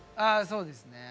そうですね。